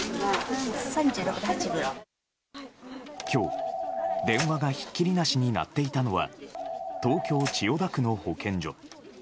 今日、電話がひっきりなしに鳴っていたのは東京・千代田区の保健所。